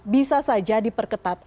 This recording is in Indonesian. bisa saja diperketat